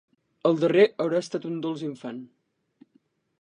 El darrer haurà estat un dolç infant.